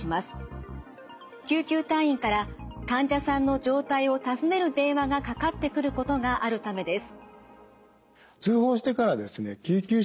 救急隊員から患者さんの状態を尋ねる電話がかかってくることがあるためです。